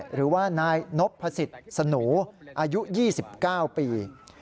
หรือว่านายนพสิทธิ์สนูอายุ๒๙ปี